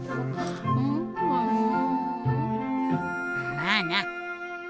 まあな。